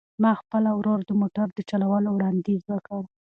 ما خپل ورور ته د موټر د چلولو وړاندیز وکړ.